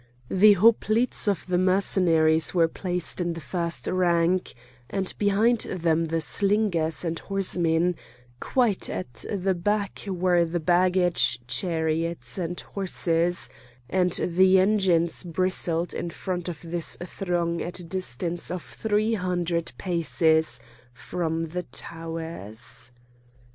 The hoplites of the Mercenaries were placed in the first rank, and behind them the slingers and horsemen; quite at the back were the baggage, chariots, and horses; and the engines bristled in front of this throng at a distance of three hundred paces from the towers.